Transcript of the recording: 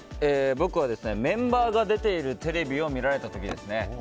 僕はメンバーが出ているテレビを見られた時ですね。